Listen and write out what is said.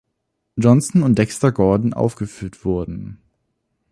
Johnson und Dexter Gordon aufgeführt wurden.